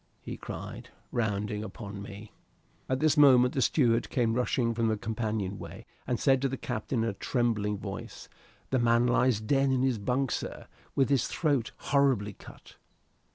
he cried, rounding upon me. At this moment the steward came rushing from the companion way, and said to the captain, in a trembling voice, "The man lies dead in his bunk, sir, with his throat horribly cut."